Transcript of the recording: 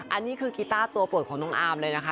อันนี้คือกีต้าตัวโปรดของน้องอาร์มเลยนะคะ